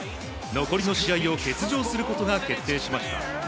残りの試合を欠場することが決定しました。